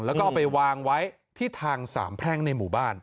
แล้วก็เอาไปวางไว้ที่ทางสามแพร่งในหมู่บ้าน